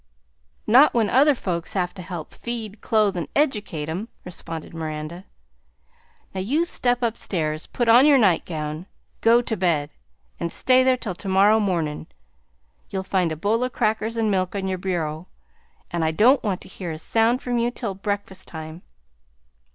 "Not when other folks have to help feed, clothe, and educate 'em," responded Miranda. "Now you step upstairs, put on your nightgown, go to bed, and stay there till to morrow mornin'. You'll find a bowl o' crackers an' milk on your bureau, an' I don't want to hear a sound from you till breakfast time.